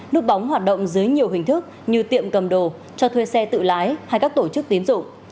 núp bóng hoạt động dưới nhiều hình thức như tiệm cầm đồ cho thuê xe tự lái hay các tổ chức tín dụng